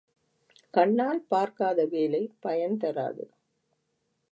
கண்ணால் பார்க்காத வேலை பயன் தராது.